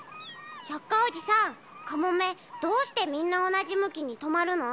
百科おじさんカモメどうしてみんなおなじむきにとまるの？